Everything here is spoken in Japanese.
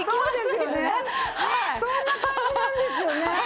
そんな感じなんですよね。